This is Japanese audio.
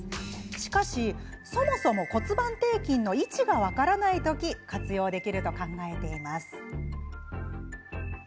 しかし、そもそも骨盤底筋の位置が分からない時活用できると考えています。